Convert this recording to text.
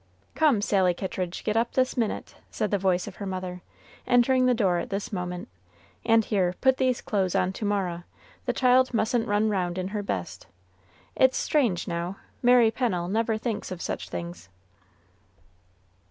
"Come, Sally Kittridge, get up this minute!" said the voice of her mother, entering the door at this moment; "and here, put these clothes on to Mara, the child mustn't run round in her best; it's strange, now, Mary Pennel never thinks of such things."